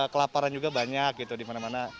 kelaparan juga banyak gitu di mana mana